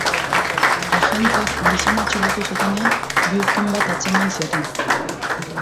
Agenteek gizona atxilotu zutenean, bihurkin bat atzeman zioten.